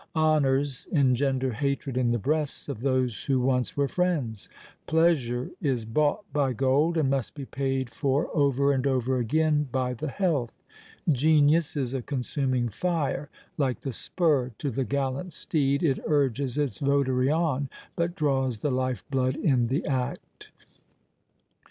Honours engender hatred in the breasts of those who once were friends. Pleasure is bought by gold, and must be paid for over and over again by the health. Genius is a consuming fire: like the spur to the gallant steed, it urges its votary on, but draws the life blood in the act.